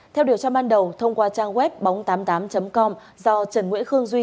theo điều tra ban đầu thông qua trang web bóng tám mươi tám com do trần nguyễn khương duy